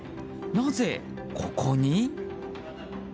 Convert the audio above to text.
なぜ、ここに？